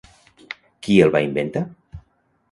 Qui el va inventar?